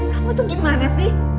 kamu tuh gimana sih